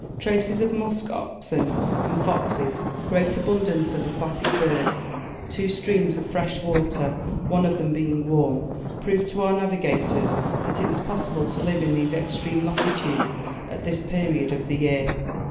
Traces of musk oxen, and foxes, great abundance of aquatic birds, two streams of fresh water, one of them being warm, proved to our navigators that it was possible to live in these extreme latitudes at this period of the year.